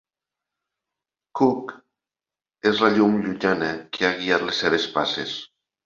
Cook és la llum llunyana que ha guiat les seves passes.